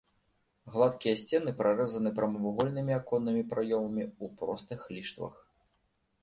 Гладкія сцены прарэзаны прамавугольнымі аконнымі праёмамі ў простых ліштвах.